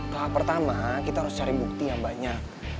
tahap pertama kita harus cari bukti yang banyak